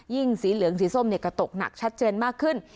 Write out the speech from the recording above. ยิ่งสีเหลืองสีส้มเนี่ยก็ตกหนักชัดเจนมากขึ้น